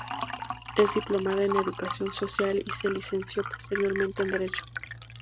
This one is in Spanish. Es diplomada en Educación Social y se licenció posteriormente en Derecho.